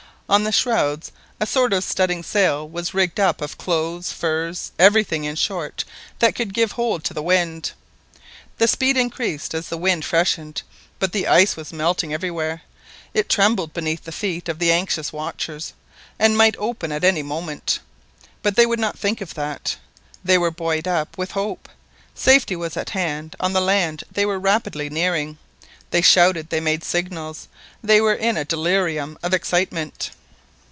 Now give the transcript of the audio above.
On the shrouds a sort of studding sail was rigged up of clothes, furs, everything, in short, that could give hold to the wind. The speed increased as the wind freshened, but the ice was melting everywhere; it trembled beneath the feet of the anxious watchers, and might open at any moment. But they would not think of that; they were buoyed up with hope; safety was at hand, on the land they were rapidly nearing. They shouted—they made signals—they were in a delirium of excitement.